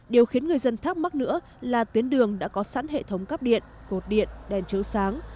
điều khiến người dân thắc mắc nữa là tuyến đường đã có sẵn hệ thống cắp điện cột điện đèn chiếu sáng